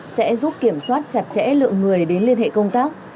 sẽ giúp kiểm soát chặt chẽ lượng người đến liên hệ công tác